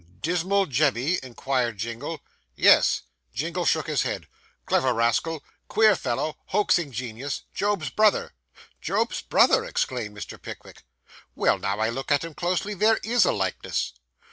'Dismal Jemmy?' inquired Jingle. 'Yes.' Jingle shook his head. 'Clever rascal queer fellow, hoaxing genius Job's brother.' 'Job's brother!' exclaimed Mr. Pickwick. 'Well, now I look at him closely, there is a likeness.